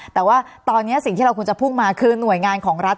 แต่ว่าตอนนี้สิ่งที่เราควรจะพุ่งมาคือหน่วยงานของรัฐ